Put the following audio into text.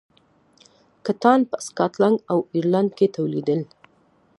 کتان په سکاټلند او ایرلنډ کې تولیدېدل.